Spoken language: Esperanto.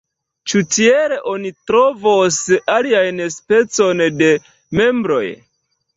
Ĉu tiel oni trovos alian specon de membroj?